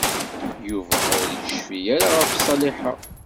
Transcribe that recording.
Yuba ur yecfi ara ɣef Ṣaliḥa.